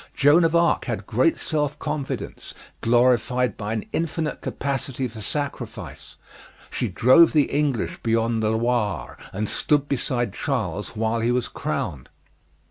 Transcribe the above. Joan of Arc had great self confidence, glorified by an infinite capacity for sacrifice. She drove the English beyond the Loire, and stood beside Charles while he was crowned.